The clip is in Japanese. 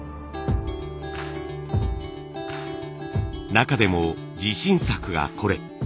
中でも自信作がこれ。